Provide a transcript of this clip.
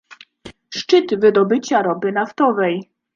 szczyt wydobycia ropy naftowej